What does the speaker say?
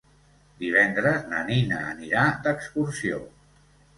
Divendres na Nina anirà d'excursió.